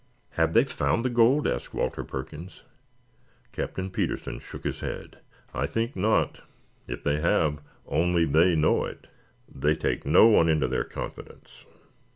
"Have they found the gold?" asked Walter Perkins. Captain Petersen shook his head. "I think not. If they have, only they know it. They take no one into their confidence.